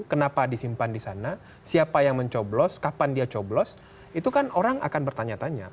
kenapa disimpan di sana siapa yang mencoblos kapan dia coblos itu kan orang akan bertanya tanya